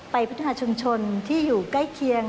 พัฒนาชุมชนที่อยู่ใกล้เคียง